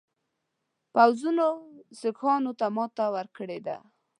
پوځونو سیکهانو ته ماته ورکړې ده.